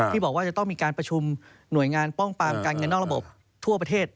บอกว่าจะต้องมีการประชุมหน่วยงานป้องปรามการเงินนอกระบบทั่วประเทศ